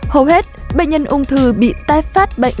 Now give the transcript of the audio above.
hầu hết bệnh nhân ung thư bị tai phát bệnh